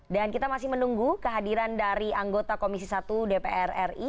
dan kita masih menunggu kehadiran dari anggota komisi satu dpr ri